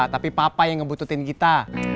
tapi papa yang ngebututin kita